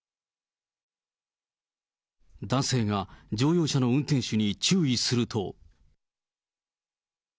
男性が乗用車の運転手に注意すると。